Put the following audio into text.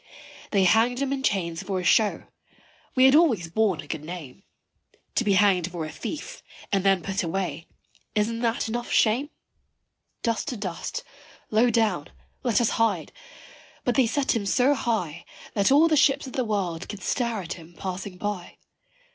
They hanged him in chains for a show we had always borne a good name To be hanged for a thief and then put away isn't that enough shame? Dust to dust low down let us hide! but they set him so high That all the ships of the world could stare at him, passing by.